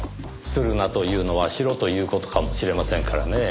「するな」というのは「しろ」という事かもしれませんからねぇ。